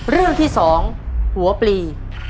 เรื่องที่๒หัวปลี